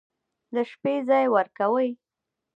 د شپې ځاى وركوي.